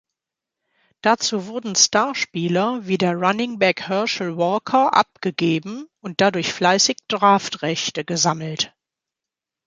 Dazu wurden Starspieler wie der Runningback Herschel Walker abgegeben und dadurch fleißig Draftrechte gesammelt.